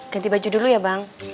ganti baju dulu ya bang